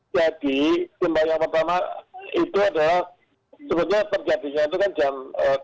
jadi gempa yang pertama itu adalah sebetulnya terjadinya itu kan jam